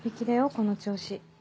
この調子。